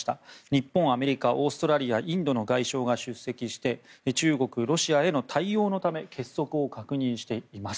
日本、アメリカ、オーストラリアインドの外相が出席して中国、ロシアへの対応のため結束を確認しています。